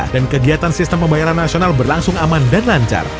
dan kegiatan sistem pembayaran nasional berlangsung aman dan lancar